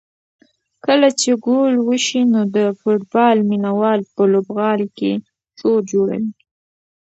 کله چې ګول وشي نو د فوټبال مینه وال په لوبغالي کې شور جوړوي.